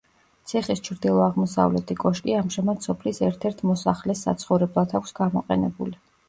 ციხის ჩრდილო-აღმოსავლეთი კოშკი ამჟამად სოფლის ერთ-ერთ მოსახლეს საცხოვრებლად აქვს გამოყენებული.